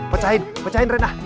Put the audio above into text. pecahin pecahin renah